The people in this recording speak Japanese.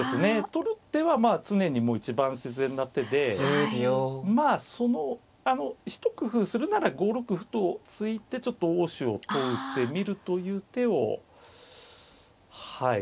取る手は常に一番自然な手で一工夫するなら５六歩と突いてちょっと応手を問うてみるという手をはい。